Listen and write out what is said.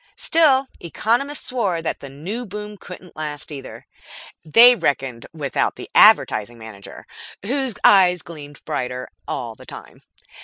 Still, economists swore that the new boom couldn't last either. They reckoned without the Advertising Manager, whose eyes gleamed brighter all the time.